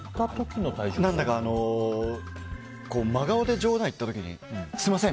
何だか真顔で冗談を言った時にすみません！